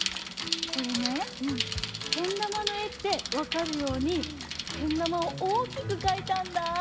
これねけんだまのえってわかるようにけんだまをおおきくかいたんだぁ！